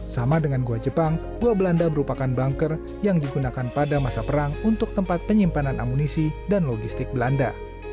sama dengan gua jepang gua belanda merupakan banker yang digunakan pada masa perang untuk tempat penyimpanan amunisi dan logistik belanda